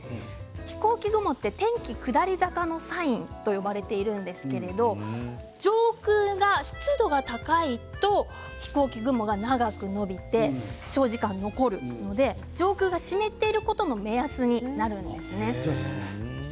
飛行機雲は天気が下り坂のサインともいわれているんですけれど上空の湿度が高いと飛行機雲が長く伸びて長時間残るので上空が湿っていることの目安になるんですね。